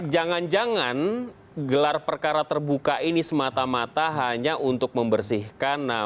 jangan jangan gelar perkara terbuka ini semata mata hanya untuk membersihkan nama bapak ibu